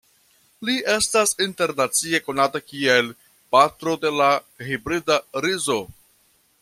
Li estas internacie konata kiel "patro de la hibrida rizo".